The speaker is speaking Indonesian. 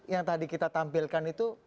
yang tadi kita tampilkan itu